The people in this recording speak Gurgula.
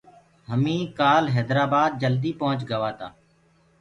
همينٚ ڪآل حيدرآبآد جلدي پنٚوهچ گوآ تآ۔